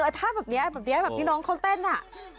เออถ้าแบบนี้แบบนี้น้องเค้าเต้นน่ะ